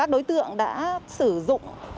đối tượng đã sử dụng